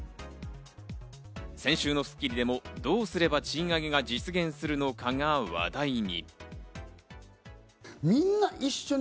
先週の『スッキリ』でも、どうすれば賃上げが実現するのかが話題に。